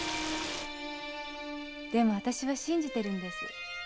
でも私は信じてるんです。